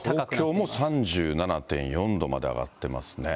東京も３７．４度まで上がってますね。